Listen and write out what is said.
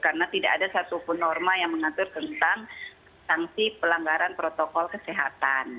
karena tidak ada satu pun norma yang mengatur tentang sanksi pelanggaran protokol kesehatan